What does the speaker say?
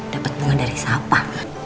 dapet bunga dari siapa